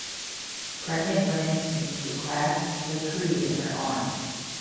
Pregnant women used to clasp the tree in their arms.